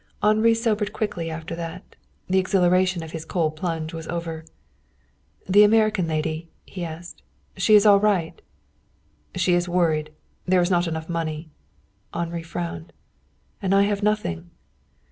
Henri sobered quickly after that. The exhilaration of his cold plunge was over. "The American lady?" he asked. "She is all right?" "She is worried. There is not enough money." Henri frowned. "And I have nothing!"